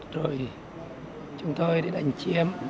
rồi chúng tôi đi đánh chiếm